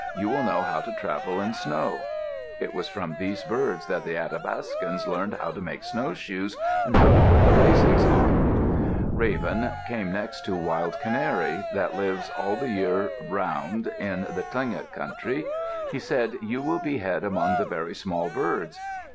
You will know how to travel in snow." It was from these birds that the Athapascans learned how to make snowshoes, and how to put the lacings on. Raven came next to Wild Canary, that lives all the year around in the Tlingit country. He said, "You will be head among the very small birds.